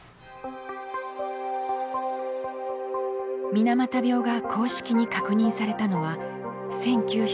水俣病が公式に確認されたのは１９５６年。